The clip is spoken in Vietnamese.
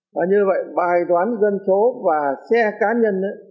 và như vậy bài đoán dân số và xe cá nhân